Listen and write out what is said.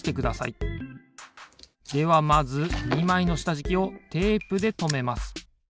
ではまず２まいのしたじきをテープでとめます。